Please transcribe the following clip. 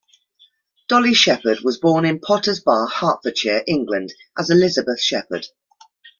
Dolly Shepherd was born in Potters Bar, Hertfordshire, England, as Elizabeth Shepherd.